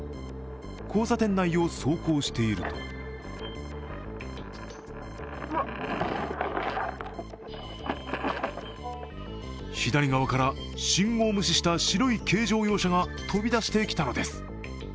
交差点内を走行していると左側から信号無視した白い軽乗用車が飛び出してきたのです。